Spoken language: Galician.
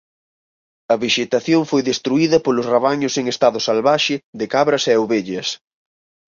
A vexetación foi destruída polos rabaños en estado salvaxe de cabras e ovellas.